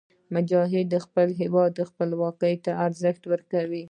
مجاهد د خپل هېواد خپلواکۍ ته ارزښت ورکوي.